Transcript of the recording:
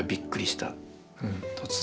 突然。